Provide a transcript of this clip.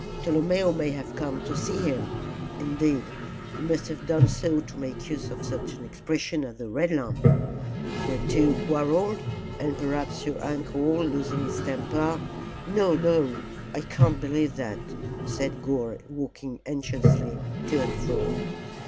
Tolomeo may have come to see him indeed, he must have done so to make use of such an expression as the 'Red Lamp.' The two quarrelled, and perhaps your uncle, losing his temper " "No, no! I can't believe that," said Gore, walking anxiously to and fro.